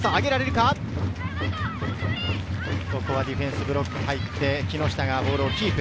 ディフェンスブロックが入って、木下がボールをキープ。